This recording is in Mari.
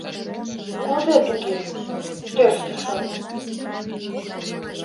— Кузе туге «тӧрштышым»?